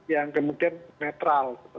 yang kemudian netral